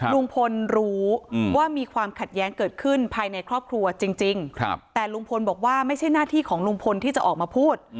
ลุงพลรู้ว่ามีความขัดแย้งเกิดขึ้นภายในครอบครัวจริงแต่ลุงพลบอกว่าไม่ใช่หน้าที่ของลุงพลที่จะออกมาพูด